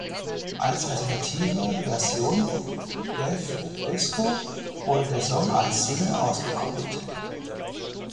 Als alternative Version "Death Disco" wurde der Song als Single ausgekoppelt.